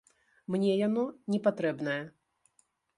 Мне яно не патрэбнае.